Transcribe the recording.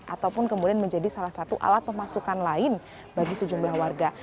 ataupun kemudian menjadi salah satu alat pemasukan lain bagi sejumlah warga